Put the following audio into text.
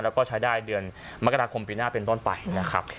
แล้วก็ใช้ได้เดือนมกราคมปีหน้าเป็นต้นไปนะครับ